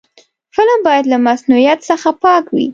فلم باید له مصنوعیت څخه پاک وي